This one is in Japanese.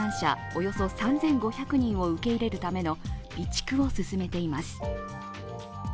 およそ３５００人を受け入れるための備蓄を進めています。